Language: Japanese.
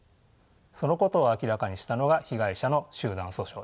そのことを明らかにしたのが被害者の集団訴訟です。